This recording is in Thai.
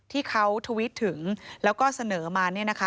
ที่เขาทวิตถึงแล้วก็เสนอมาเนี่ยนะคะ